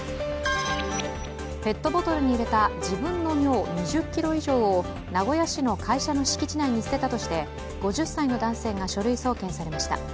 ペットボトルに入れた自分の尿２０ｋｇ以上を名古屋市の会社の敷地内に捨てたとして５０歳の男性が書類送検されました。